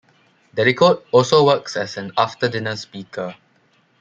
Dedicoat also works as an after dinner speaker.